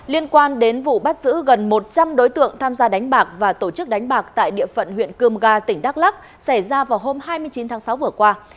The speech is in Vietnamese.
liên quan đến vụ bắt giữ gần một trăm linh đối tượng tham gia đánh bạc và tổ chức đánh bạc tại địa phận huyện cơm ga tỉnh đắk lắc xảy ra vào hôm hai mươi chín tháng sáu vừa qua